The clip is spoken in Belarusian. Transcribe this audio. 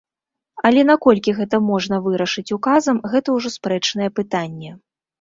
Але наколькі гэта можна вырашыць указам, гэта ўжо спрэчнае пытанне.